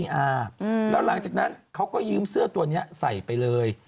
แล้วหลังจากนั้นเขาก็ยืมเสื้อตัวนี้ใส่ไปเลย